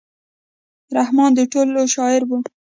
رحمان د ټولو شاعر و.